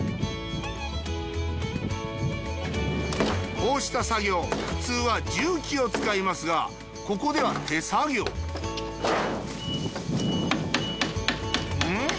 こうした作業普通は重機を使いますがここでは手作業ん？